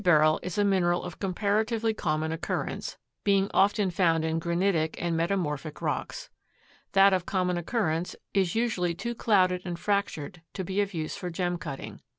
Ordinary Beryl is a mineral of comparatively common occurrence, being often found in granitic and metamorphic rocks. That of common occurrence is usually too clouded and fractured to be of use for gem cutting.